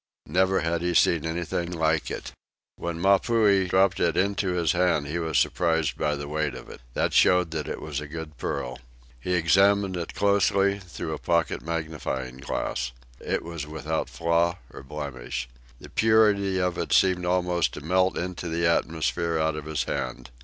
Never had he seen anything like it. When Mapuhi dropped it into his hand he was surprised by the weight of it. That showed that it was a good pearl. He examined it closely, through a pocket magnifying glass. It was without flaw or blemish. The purity of it seemed almost to melt into the atmosphere out of his hand.